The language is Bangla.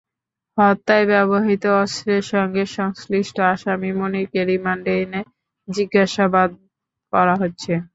হত্যায় ব্যবহৃত অস্ত্রের সঙ্গে সংশ্লিষ্ট আসামি মনিরকে রিমান্ডে এনে জিজ্ঞাসাবাদ করা হচ্ছে।